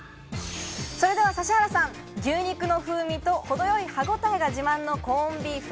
それでは指原さん、牛肉の風味と程よい歯ごたえが自慢のコンビーフ。